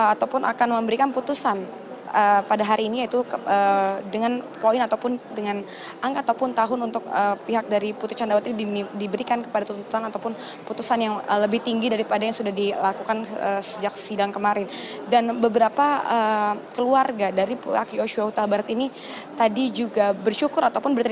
ataupun akan memberikan putusan pada hari ini yaitu dengan poin ataupun dengan angka ataupun tahun untuk pihak dari putri candrawati ini diberikan kepada tuntutan ataupun putusan yang lebih tinggi daripada yang sudah dilakukan